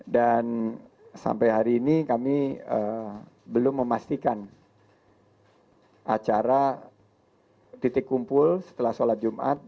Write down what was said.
dan sampai hari ini kami belum memastikan acara titik kumpul setelah sholat jumat